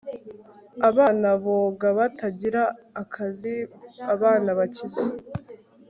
abana boga batagira akazi, abana bakize